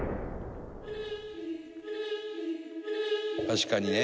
確かにね